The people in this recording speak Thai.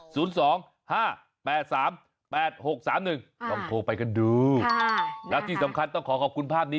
ต้องโทรไปกันดูค่ะนะคะและจริงสำคัญต้องขอขอบคุณภาพนี้